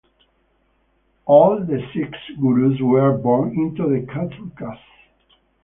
All the Sikh gurus were born into the Khatri caste.